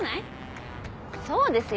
そうですよ。